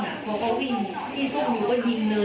หลากับปูฟ้าคนวิ่งที่ฟูกหนูก็ยิงเลย